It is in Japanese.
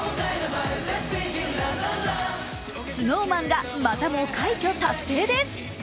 ＳｎｏｗＭａｎがまたも快挙達成です。